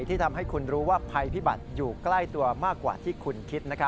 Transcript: ที่ทำให้คุณรู้ว่าภัยพิบัติอยู่ใกล้ตัวมากกว่าที่คุณคิด